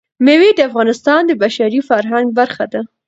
مېوې د افغانستان د بشري فرهنګ برخه ده.